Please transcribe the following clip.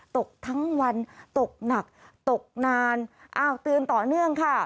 ตกทั้งวันตกหนักตกนานอ้าวเตือนต่อเนื่องค่ะ